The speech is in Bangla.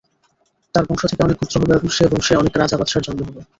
তার বংশ থেকে অনেক গোত্র হবে এবং সে বংশে অনেক রাজা-বাদশাহর জন্ম হবে।